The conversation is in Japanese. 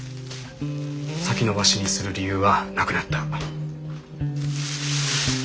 先延ばしにする理由はなくなった。